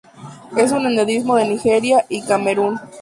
Es un endemismo de Nigeria y Camerún.